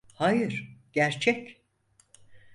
Hayır, gerçek.